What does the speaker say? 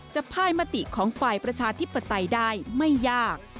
พ่ายมติของฝ่ายประชาธิปไตยได้ไม่ยาก